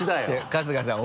春日さん